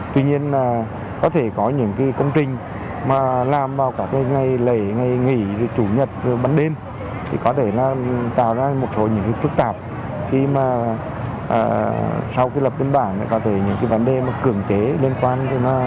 tuy nhiên có thể có những công trình làm vào ngày lễ ngày nghỉ chủ nhật ban đêm thì có thể tạo ra một số những phức tạp khi mà sau khi lập biên bản thì có thể những vấn đề cưỡng chế liên quan